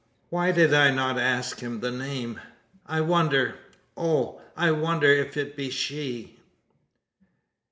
Why did I not ask him the name? I wonder oh, I wonder if it be she!"